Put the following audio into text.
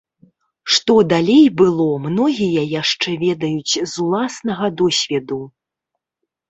Што далей было, многія яшчэ ведаюць з уласнага досведу.